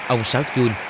ông sáu jun